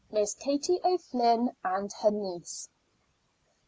MISS KATIE O'FLYNN AND HER NIECE.